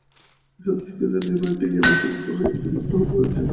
আমরা শুনেছি, ইন্টারনেট নির্ভর একটি গেমে আসক্ত হয়ে একজন আত্মহত্যা করেছে।